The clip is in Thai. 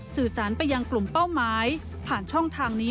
สื่อสารไปยังกลุ่มเป้าหมายผ่านช่องทางนี้